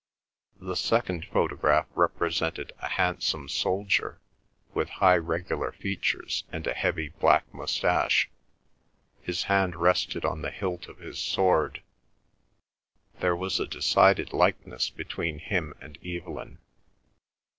The second photograph represented a handsome soldier with high regular features and a heavy black moustache; his hand rested on the hilt of his sword; there was a decided likeness between him and Evelyn.